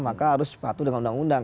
maka harus patuh dengan undang undang